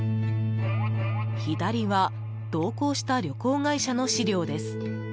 左は同行した旅行会社の資料です。